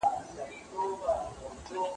سياست د ټولو هغو خلګو کار دی چي ملاتړ يې کوي.